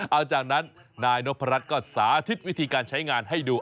เอาจากนั้นนายนพรัชก็สาธิตวิธีการใช้งานให้ดู